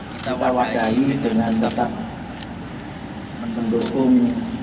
kita wadai dengan tetap mendukung